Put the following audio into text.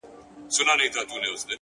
د وحشت؛ په ښاریه کي زندگي ده ـ